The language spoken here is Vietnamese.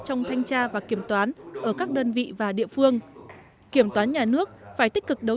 trong thanh tra và kiểm toán ở các đơn vị và địa phương kiểm toán nhà nước phải tích cực đấu